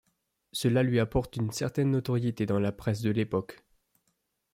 Cela lui apporte une certaine notoriété dans la presse de l'époque.